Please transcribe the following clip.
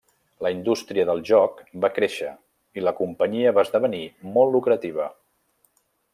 La indústria del joc va créixer, i la companyia va esdevenir molt lucrativa.